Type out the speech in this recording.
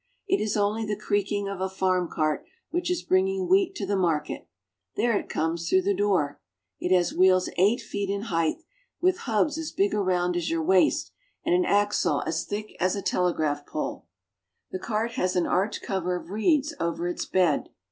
It is only the creaking of a farm cart which is bringing wheat to the market. There it comes through the door. It has wheels eight feet in height, with hubs as big around as your waist, and an axle as thick as a telegraph pole. It has wheels eight feet in height." The cart has an arched cover of reeds over its bed.